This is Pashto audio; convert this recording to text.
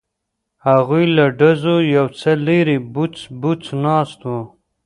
هغوی له ډزو یو څه لرې بوڅ بوڅ ناست وو.